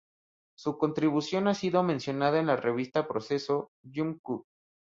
Su contribución ha sido mencionada en la revista Proceso, "Jump Cut.